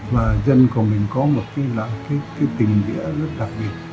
và dân của mình có một cái tình nghĩa rất đặc biệt